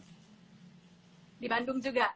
di bandung juga